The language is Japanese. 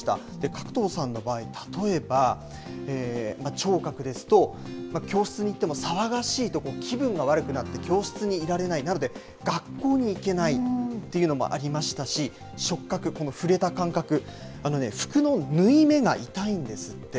加藤さんの場合、例えば、聴覚ですと、教室に行っても騒がしいと気分が悪くなって、教室にいられない、なので学校に行けないっていうのもありましたし、触覚、この触れた感覚、服の縫い目が痛いんですって。